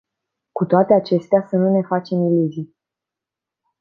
Cu toate acestea, să nu ne facem iluzii.